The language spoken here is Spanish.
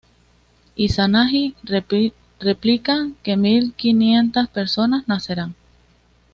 Izanagi replica que mil quinientas personas nacerán.